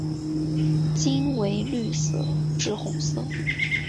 茎为绿色至红色。